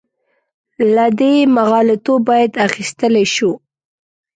له دې مغالطو باید اخیستلی شو.